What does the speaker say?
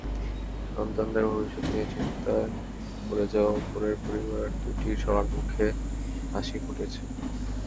সন্তানদের ভবিষ্যৎ নিয়ে চিন্তায় পড়ে যাওয়া ওপরের পরিবার দুটির সবার মুখে হাসি ফুটেছে।